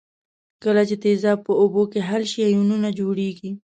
کله چې تیزاب په اوبو کې حل شي آیونونه جوړیږي.